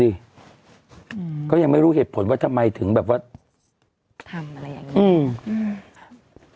อืมก็ยังไม่รู้เหตุผลว่าทำไมถึงแบบว่าทำอะไรอย่างงี้อืมอืม